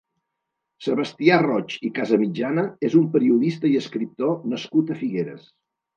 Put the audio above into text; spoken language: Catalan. Sebastià Roig i Casamitjana és un periodista i escriptor nascut a Figueres.